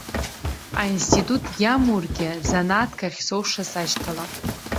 Аинститут иамургьы, занааҭк ахьсоуша сашьҭалап.